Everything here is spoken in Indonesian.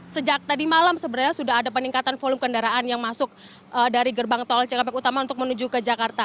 sejak tadi malam sebenarnya sudah ada peningkatan volume kendaraan yang masuk dari gerbang tol cikampek utama untuk menuju ke jakarta